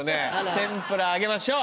天ぷらあげましょう！